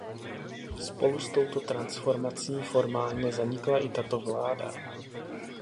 Spolu s touto transformací formálně zanikla i tato vláda.